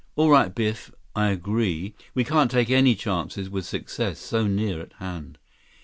"All right, Biff. I agree. We can't take any chances with success so near at hand."